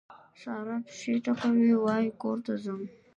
سارا پښې ټکوي؛ وای کور ته ځم.